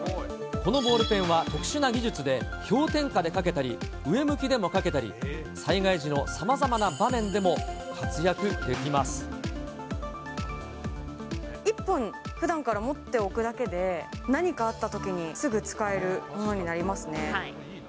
このボールペンは特殊な技術で、氷点下で書けたり、上向きでも書けたり、災害時のさまざまな場面一本、ふだんから持っておくだけで、何かあったときに、すぐ使えるものになりますね。